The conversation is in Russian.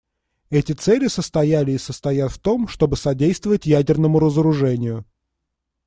Эти цели состояли и состоят в том, чтобы содействовать ядерному разоружению.